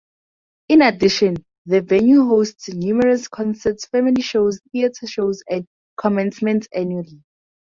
In addition, the venue hosts numerous concerts, family shows, theater shows, and commencements annually.